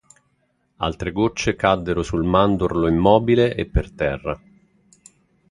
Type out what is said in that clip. Altre goccie caddero sul mandorlo immobile e per terra.